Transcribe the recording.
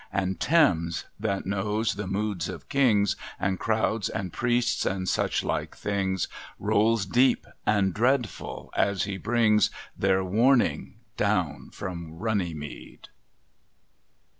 And Thames, that knows the moods of kings, And crowds and priests and suchlike things, Rolls deep and dreadful as he brings Their warning down from Runnymede!